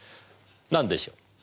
なんでしょう？